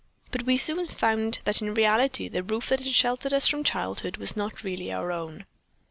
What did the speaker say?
"But we soon found that in reality the roof that had sheltered us from childhood was not really our own.